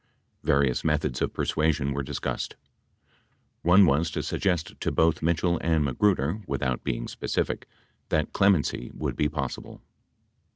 83 Various methods of persuasion were dis cussed. One was to suggest to both Mitchell and Magruder— without being specific — that clemency would be possible.